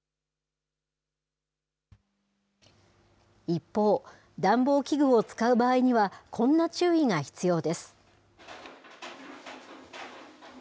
一方、暖房器具を使う場合には、こんな注意が必要です。